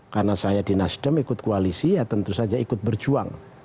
karena saya dinasdem ikut koalisi ya tentu saja ikut berjuang